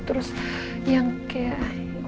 terus yang kayak